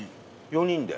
４人で。